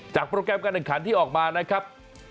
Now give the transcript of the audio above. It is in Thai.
จากโปรแกรมการอุลิปิกที่ออกมานะครับ